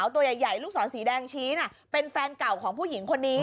ตอนต่อไป